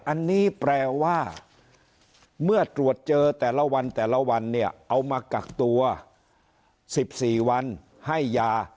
อันนี้แปลว่าเมื่อตรวจเจอแต่ละวันเอามากักตัว๑๔วันให้ยา